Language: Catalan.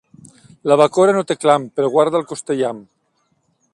La bacora no té clam, però guarda el costellam.